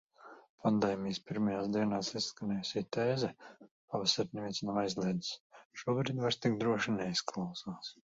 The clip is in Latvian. Pandēmijas pirmajās dienās izskanējusī tēze "Pavasari neviens nav aizliedzis!" šobrīd vairs tik droši neizklausās...